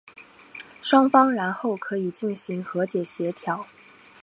双方然后可以进行和解协商。